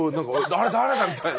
あれ誰だ？みたいな。